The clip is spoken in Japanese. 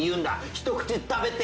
一口食べて。